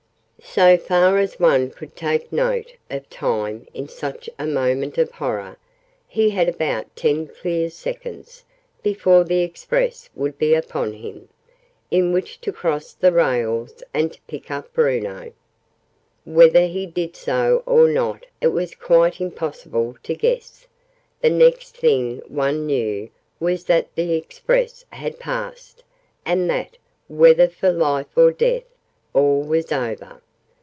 So far as one could take note of time in such a moment of horror, he had about ten clear seconds, before the Express would be upon him, in which to cross the rails and to pick up Bruno. Whether he did so or not it was quite impossible to guess: the next thing one knew was that the Express had passed, and that, whether for life or death, all was over.